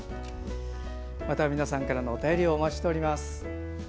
また皆さんからのお便りをお待ちしております。